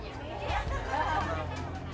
jadi jangan tinggi darahnya